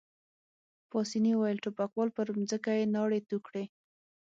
پاسیني وویل: ټوپکوال، پر مځکه يې ناړې تو کړې.